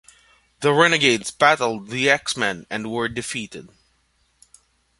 The renegades battled the X-Men and were defeated.